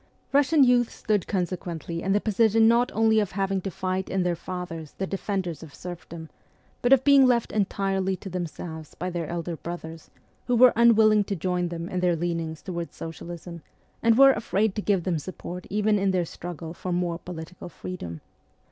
Russian youth stood consequently in the position not only of having to fight in their fathers the defenders of serfdom, but of being left entirely to themselves by their elder brothers, who were unwilling to join them in their leanings toward socialism, and were afraid to give them support even in their struggle for more political freedom.